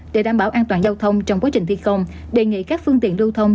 để đảm bảo an toàn giao thông trong quá trình thi công đề nghị các phương tiện lưu thông